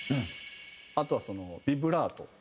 あとはビブラート。